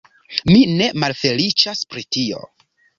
Mi ne malfeliĉas pri tio.